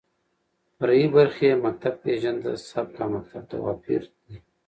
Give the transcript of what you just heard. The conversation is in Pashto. فرعي برخې يې مکتب پېژنده، سبک او مکتب تواپېر دى.